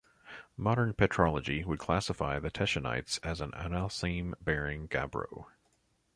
Modern petrology would classify the teschenites as an analcime bearing gabbro.